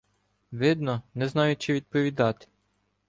Видно, не знають, чи відповідати.